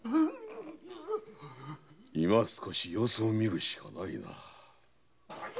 今すこし様子を見るしかないな。